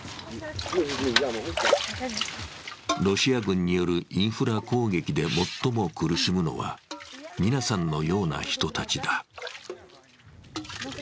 ロシア軍によるインフラ攻撃で最も苦しむのはニナさんのような人たちだ。